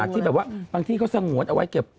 ที่บางทีเค้าสงวนเอาไว้เก็บ